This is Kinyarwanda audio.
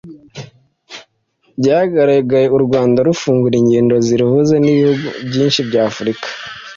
Byagaragaye U Rwanda rufungura ingendo ziruhuza n’ibihugu byinshi bya Afrika